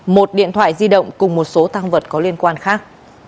một điện thoại di động cùng một số tăng vật có liên quan khác